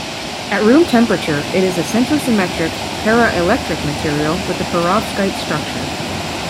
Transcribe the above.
At room temperature, it is a centrosymmetric paraelectric material with a perovskite structure.